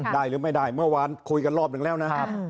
หรือไม่ได้เมื่อวานคุยกันรอบหนึ่งแล้วนะครับ